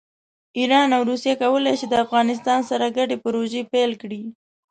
ایران او روسیه کولی شي د افغانستان سره ګډې پروژې پیل کړي.